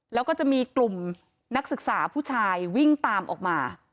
แล้วก็จะมีกลุ่มนักศึกษาผู้ชายวิ่งตามออกมา